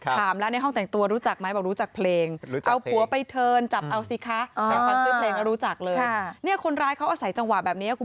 ถามแล้วในห้องแต่งตัวนี่รู้จักไม่มั้ง